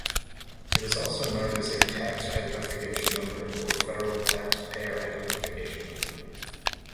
It is also known as a Tax Identification Number or Federal Taxpayer Identification Number.